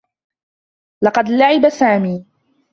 لقد لعب سامي.